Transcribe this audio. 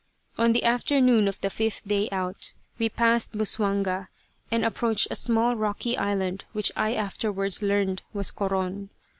On the afternoon of the fifth day out, we passed Busuanga and approached a small rocky island which I afterwards learned was Coron.